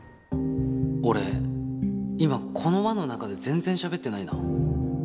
俺今この輪の中で全然しゃべってないな。